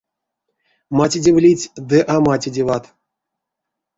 Матедевлить — ды а матедеват.